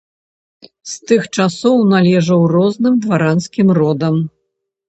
З тых часоў належыў розным дваранскім родам.